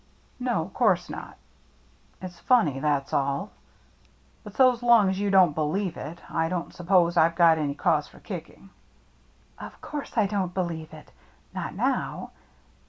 "" No, course not. It's fonny, that's all. But so long's you don't believe it, I don't sup pose I've got any cause for kicking." "Of course I don't believe it — not now.